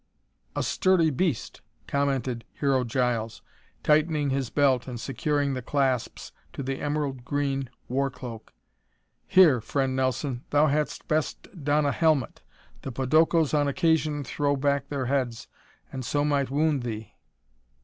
"A sturdy beast," commented Hero Giles, tightening his belt and securing the clasps to the emerald green war cloak. "Here, Friend Nelson, thou hadst best don a helmet; the podokos on occasion throw back their heads and so might wound thee."